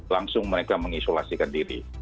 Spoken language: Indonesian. langsung mereka mengisolasikan diri